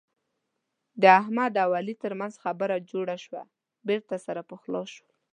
د احمد او علي ترمنځ خبره جوړه شوه. بېرته سره پخلا شول.